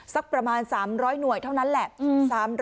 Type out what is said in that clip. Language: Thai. สักประมาณ๓๐๐หน่วยเท่านั้นแหละ